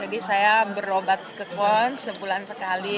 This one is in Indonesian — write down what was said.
jadi saya berobat ke kor sebulan sekali